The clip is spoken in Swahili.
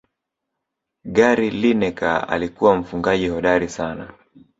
gary lineker alikuwa mfungaji hodari sana